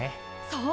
そう！